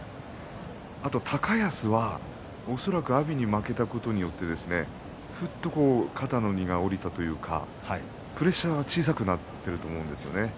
あと高安は恐らく阿炎に負けたことによってふっと肩の荷が下りたというかプレッシャーが小さくなっていると思うんですよね。